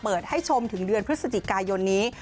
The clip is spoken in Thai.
ให้ชมถึงเดือนพฤศจิกายนนี้